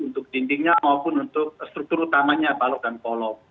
untuk dindingnya maupun untuk struktur utamanya balok dan kolom